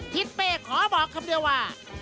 ทิศเป้ขอบอกคำเดียวว่า